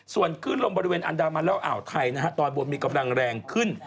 ส่วนขึ้นลมบริเวณอันดามันแล้วอ่าวไทยนะฮะตอนบนมีกำลังแรงขึ้น